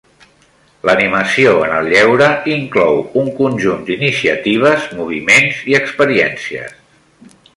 L'animació en el lleure inclou un conjunt d'iniciatives, moviments i experiències.